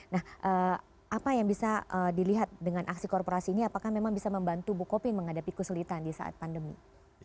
nah apa yang bisa dilihat dengan aksi korporasi ini apakah memang bisa membantu bukopin menghadapi kesulitan di saat pandemi